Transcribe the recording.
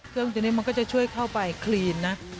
เครื่องที่นี่มันก็จะช่วยเข้าไปคลีนนะ